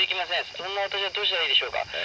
そんな私はどうしたらいいでしょうか？